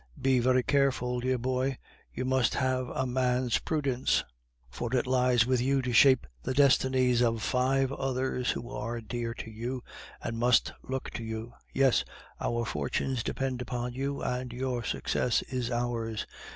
Be very careful, dear boy. You must have a man's prudence, for it lies with you to shape the destinies of five others who are dear to you, and must look to you. Yes, our fortunes depend upon you, and your success is ours.